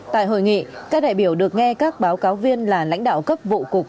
tại hội nghị các đại biểu được nghe các báo cáo viên là lãnh đạo cấp vụ cục